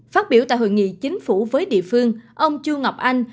phát biểu tại hội nghị chính phủ với địa phương ông chu ngọc anh